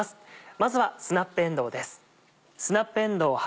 まずはスナップえんどうです。